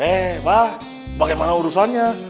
eh bah bagaimana urusannya